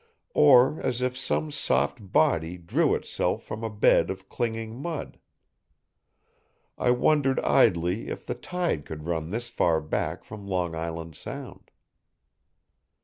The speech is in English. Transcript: Or as if some soft body drew itself from a bed of clinging mud. I wondered idly if the tide could run this far back from Long Island Sound.